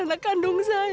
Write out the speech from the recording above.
terus aku haci nge nancy